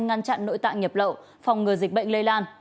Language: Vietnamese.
ngăn chặn nội tạng nhập lậu phòng ngừa dịch bệnh lây lan